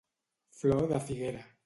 Flor de figuera.